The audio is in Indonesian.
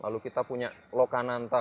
lalu kita punya lokananta